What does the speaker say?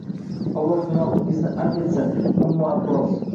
Olloh gunohingizni afv etsin, Ummu Abbos